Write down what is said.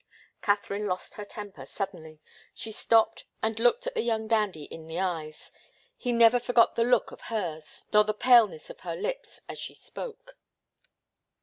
Katharine lost her temper suddenly. She stopped and looked the young dandy in the eyes. He never forgot the look of hers, nor the paleness of her lips as she spoke.